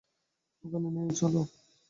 ওখানে নিয়ে চলো।